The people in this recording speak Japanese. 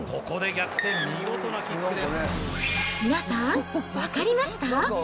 ここで逆転、皆さん、分かりました？